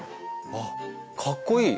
あっかっこいい！